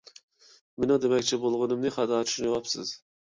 مېنىڭ دېمەكچى بولغىنىمنى خاتا چۈشىنىۋاپسىز!